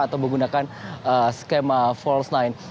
atau menggunakan skema false nine